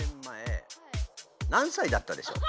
何さいだったでしょう？